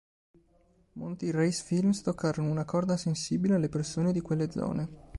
Molti race films toccarono una corda sensibile alle persone di quelle zone.